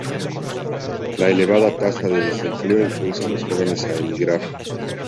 La elevada tasa de desempleo impulsa a los jóvenes a emigrar.